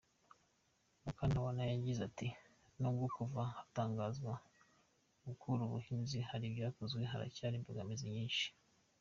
Mukantabana yagize ati“Nubwo kuva hatangazwa gukura ubuhunzi hari ibyakozwe, haracyari imbogamizi nyinshi.